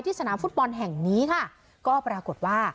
สนามฟุตบอลแห่งนี้ค่ะก็ปรากฏว่า